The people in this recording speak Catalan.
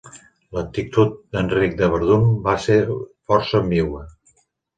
L'actitud d'Enric de Verdun va ser força ambigua.